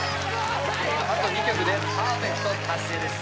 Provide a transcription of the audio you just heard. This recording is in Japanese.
あと２曲でパーフェクト達成です